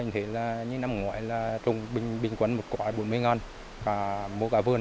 những năm ngoại trùng bình quấn một quả bốn mươi ngàn mua cả vườn